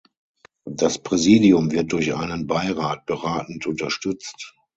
Das Präsidium wird durch einen Beirat beratend unterstützt.